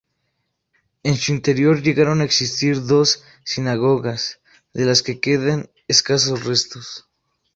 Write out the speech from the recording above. En su interior llegaron a existir dos sinagogas, de las que quedan escasos restos.